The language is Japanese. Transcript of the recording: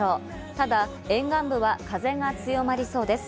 ただ、沿岸部は風が強まりそうです。